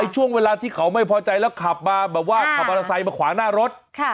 ช่วงเวลาที่เขาไม่พอใจแล้วขับมาแบบว่าขับมอเตอร์ไซค์มาขวางหน้ารถ